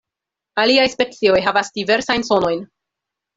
Aliaj specioj havas diversajn sonojn.